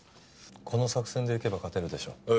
この作戦でいけば勝てるでしょう。